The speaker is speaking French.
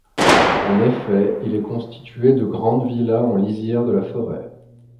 En effet, il est constitué de grandes villas en lisière de la forêt.